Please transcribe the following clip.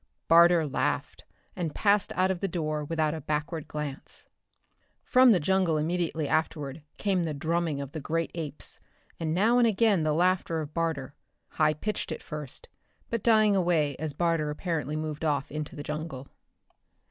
Barter laughed and passed out of the door without a backward glance. From the jungle immediately afterward came the drumming of the great apes, and now and again the laughter of Barter high pitched at first, but dying away as Barter apparently moved off into the jungle.